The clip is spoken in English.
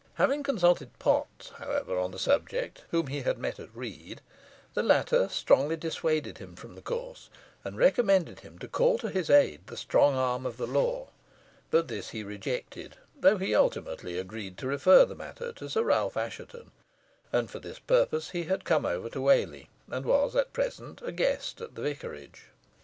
Having consulted Potts, however, on the subject, whom he had met at Read, the latter strongly dissuaded him from the course, and recommended him to call to his aid the strong arm of the law: but this he rejected, though he ultimately agreed to refer the matter to Sir Ralph Assheton, and for this purpose he had come over to Whalley, and was at present a guest at the vicarage.